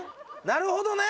なるほどね。